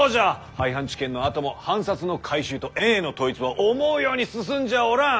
廃藩置県のあとも藩札の回収と円への統一は思うように進んじゃおらん。